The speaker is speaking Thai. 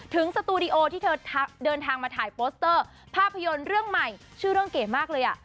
สตูดิโอที่เธอเดินทางมาถ่ายโปสเตอร์ภาพยนตร์เรื่องใหม่ชื่อเรื่องเก๋มากเลยอ่ะ